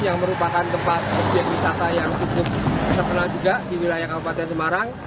yang merupakan tempat objek wisata yang cukup terkenal juga di wilayah kabupaten semarang